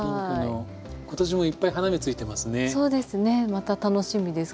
また楽しみです